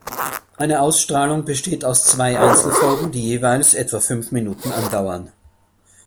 Eine Ausstrahlung besteht aus zwei Einzelfolgen, die jeweils etwa fünf Minuten andauern.